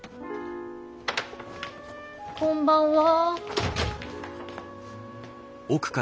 こんばんは。